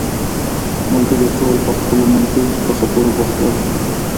ملګري ټول په خپلو منځو کې په خبرو بوخت وو.